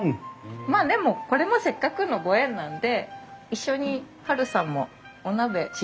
まあでもこれもせっかくのご縁なんで一緒にハルさんもお鍋試食会に参加しません？